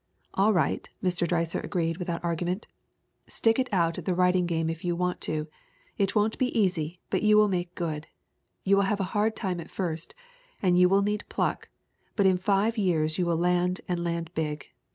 " 'All right,' Mr. Dreiser agreed without argument. 'Stick it out at the writing game if you want to. It won't be easy, but you will make good. You will have a hard time at first, and you will need pluck. But in five years you will land and land big.